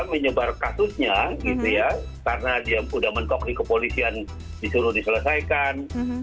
menyebar kasusnya gitu ya karena dia sudah mentok di kepolisian disuruh diselesaikan